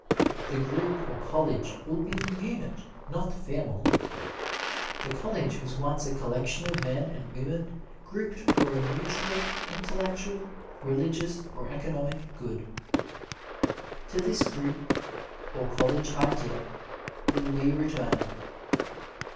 The group, or college, will be the unit, not the family. The college was once a collection of men and women grouped for a mutual intellectual, religious or economic good. To this group or college idea will we return.